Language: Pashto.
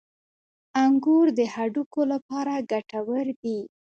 • انګور د هډوکو لپاره ګټور دي.